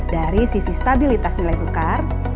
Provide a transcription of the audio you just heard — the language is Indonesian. dari sisi stabilitas nilai tukar